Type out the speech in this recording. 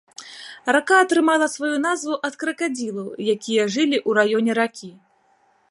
Рака атрымала сваю назву ад кракадзілаў, якія жылі ў раёне ракі.